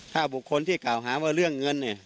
ถ้าบุคคลที่กล่าวหาว่าเรื่องเงินเนี่ย